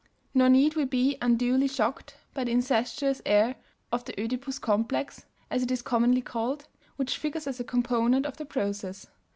Nor need we be unduly shocked by the "incestuous" air of the "Oedipus Complex," as it is commonly called, which figures as a component of the process.